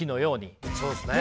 そうっすね。